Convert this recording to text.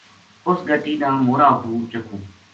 اس گٹی نا مورا اُپروں چَکوں‘‘